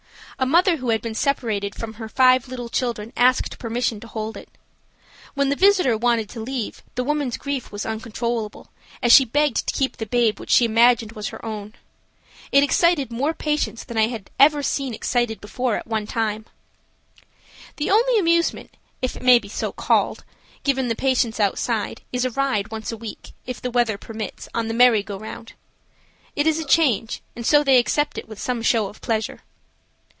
A mother who had been separated from her five little children asked permission to hold it. When the visitor wanted to leave, the woman's grief was uncontrollable, as she begged to keep the babe which she imagined was her own. It excited more patients than I had ever seen excited before at one time. The only amusement, if so it may be called, given the patients outside, is a ride once a week, if the weather permits, on the "merry go round." It is a change, and so they accept it with some show of pleasure.